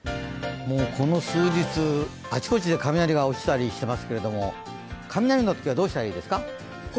この数日、あちこちで雷が落ちたりしてますけども、雷のときは、どうしたらいいですか？